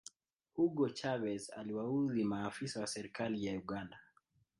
hugo chavez aliwaudhi maafisa wa serikali ya uganda